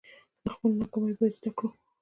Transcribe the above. له خپلو ناکامیو باید زده کړه وکړو.